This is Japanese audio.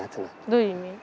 どういう意味？